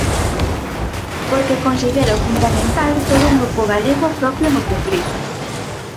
Porque considero fundamental ter un grupo galego propio no Congreso.